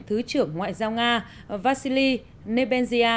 thứ trưởng ngoại giao nga vasily nebensia